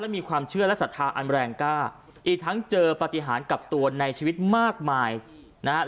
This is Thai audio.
มีความเชื่อและศรัทธาอันแรงกล้าอีกทั้งเจอปฏิหารกับตัวในชีวิตมากมายนะฮะ